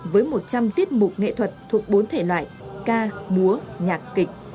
với một trăm linh tiết mục nghệ thuật thuộc bốn thể loại ca múa nhạc kịch